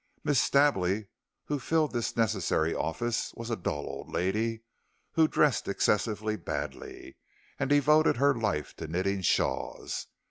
Miss Stably, who filled this necessary office, was a dull old lady who dressed excessively badly, and devoted her life to knitting shawls.